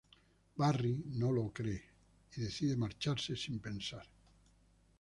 Barry no le cree y decide marcharse sin pensar.